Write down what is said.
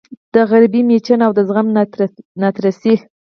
د غریبۍ مېچن او د زغم ناترسۍ